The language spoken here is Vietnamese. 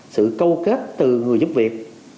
sự câu kết từ người giúp việc